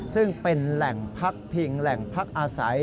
ซึ่งเป็นแหล่งพักพิงแหล่งพักอาศัย